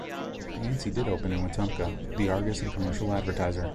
Yancey did open in Wetumpka the "Argus and Commercial Advertiser".